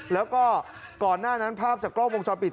แล้วก็ก่อนหน้านั้นภาพจากกล้องวงจรปิด